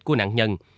của nạn nhân